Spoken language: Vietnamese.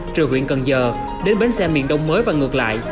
từ huyện cần giờ đến bến xe miền đông mới và ngược lại